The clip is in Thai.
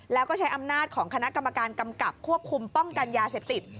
แล้วก็ใช้อำนาจของคณะกรรมการกำกับควบคุมป้องกันยาเสพติด